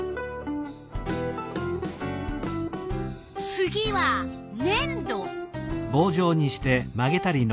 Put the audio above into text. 次はねん土。